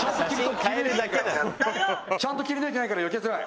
ちゃんと切り抜いてないからよけづらい。